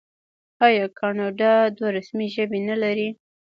آیا کاناډا دوه رسمي ژبې نلري؟